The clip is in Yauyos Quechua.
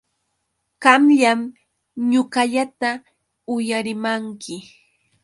Qamllam ñuqallata uyarimanki.